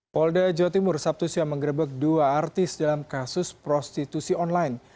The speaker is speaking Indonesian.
polda jawa timur sabtu siang menggerebek dua artis dalam kasus prostitusi online